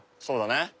そうだね。